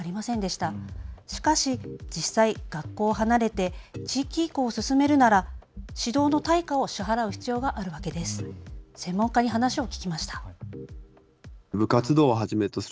しかし実際、学校を離れて地域移行を進めるなら指導の対価を支払う必要があるわけです。